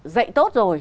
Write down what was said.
dạy tốt rồi